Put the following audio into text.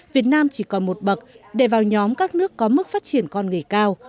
việt nam chỉ còn một bậc để vào nhóm các nước có mức phát triển con người cao